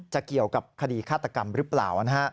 เกี่ยวกับคดีฆาตกรรมหรือเปล่า